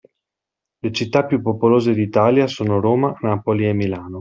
Le città più popolose d'Italia sono Roma, Napoli e Milano.